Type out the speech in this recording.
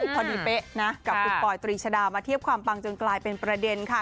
พอดีเป๊ะนะกับคุณปอยตรีชดามาเทียบความปังจนกลายเป็นประเด็นค่ะ